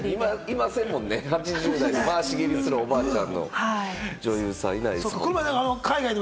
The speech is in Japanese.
今いませんもんね、８０代で回し蹴りするおばあちゃんの女優さん。